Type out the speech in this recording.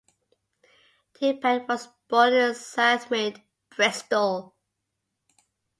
Tippett was born in Southmead, Bristol.